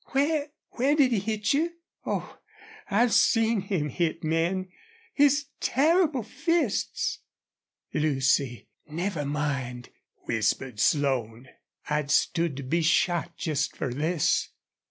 Where where did he hit you? Oh, I've seen him hit men! His terrible fists!" "Lucy, never mind," whispered Slone. "I'd stood to be shot just for this."